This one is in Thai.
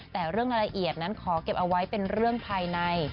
แต่เรื่องรายละเอียดนั้นขอเก็บเอาไว้เป็นเรื่องภายใน